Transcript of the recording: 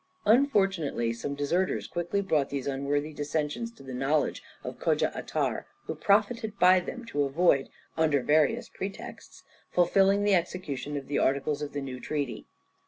Unfortunately some deserters quickly brought these unworthy dissensions to the knowledge of Kodja Atar, who profited by them to avoid, under various pretexts, fulfilling the execution of the articles of the new treaty.